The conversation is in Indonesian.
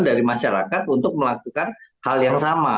dari masyarakat untuk melakukan hal yang sama